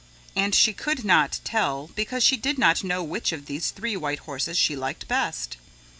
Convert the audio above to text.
And she could not tell because she did not know which of these three white horses she liked best.